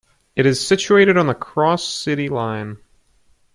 It is situated on the Cross-City Line.